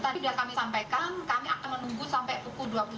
tadi sudah kami sampaikan kami akan menunggu sampai pukul dua puluh tiga